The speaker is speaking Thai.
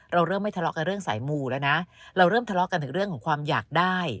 เราเริ่มไม่ทะเลาะกับเรื่องสายมูแล้วนะเราเริ่มทะเลาะกันถึงเรื่องของความอยากได้